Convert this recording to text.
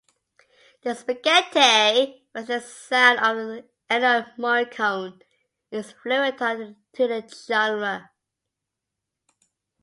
The spaghetti western sound of Ennio Morricone is influential to the genre.